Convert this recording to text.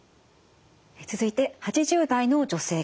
続いて８０代の女性から。